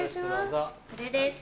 これです